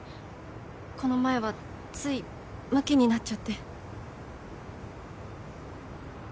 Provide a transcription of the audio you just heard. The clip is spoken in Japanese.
この前はついむきになっちゃって。